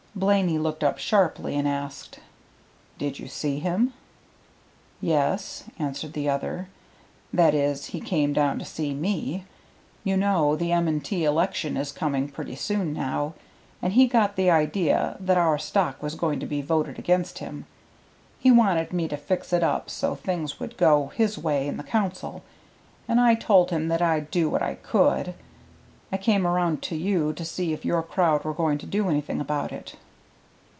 Blaney looked up sharply, and asked, "Did you see him?" "Yes," answered the other. "That is, he came down to see me. You know the M. & T. election is coming pretty soon now, and he got the idea that our stock was going to be voted against him. He wanted me to fix it up so things would go his way in the Council, and I told him that I'd do what I could. I came around to you to see if your crowd were going to do anything about it."